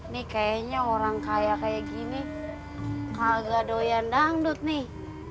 nih kayaknya orang kaya kaya gini kagak doyan dangdut nih